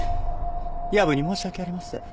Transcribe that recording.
夜分に申し訳ありません。